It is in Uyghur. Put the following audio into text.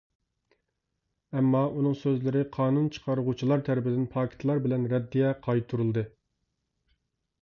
ئەمما ئۇنىڭ سۆزلىرى قانۇن چىقارغۇچىلار تەرىپىدىن پاكىتلار بىلەن رەددىيە قايتۇرۇلدى.